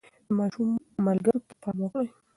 د ماشوم ملګرو ته پام وکړئ.